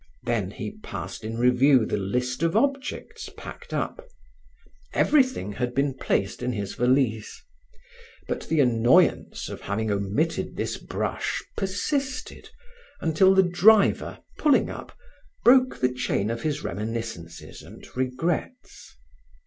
Then, he passed in review the list of objects packed up; everything had been placed in his valise, but the annoyance of having omitted this brush persisted until the driver, pulling up, broke the chain of his reminiscences and regrets.